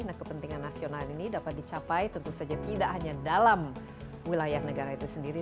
nah kepentingan nasional ini dapat dicapai tentu saja tidak hanya dalam wilayah negara itu sendiri